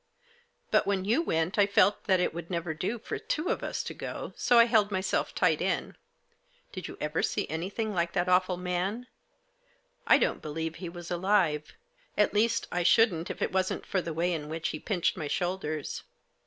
But when you went I felt that it would never do for two of us to go, so I held myself tight in. Did you ever see anything lilce that awful man ? I don't believe he was alive ; at least, I shouldn't if it wasn't for the way in which he pinched my shoulders.